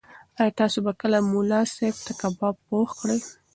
ایا تاسو به کله ملا صاحب ته کباب پوخ کړئ؟